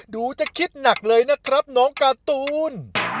ดูจะคิดหนักเลยนะครับน้องการ์ตูน